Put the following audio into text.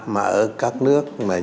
mà ở các nước